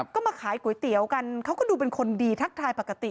ก็มาขายก๋วยเตี๋ยวกันเขาก็ดูเป็นคนดีทักทายปกติ